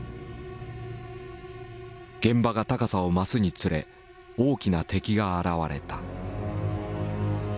現場が高さを増すにつれ大きな敵が現れた。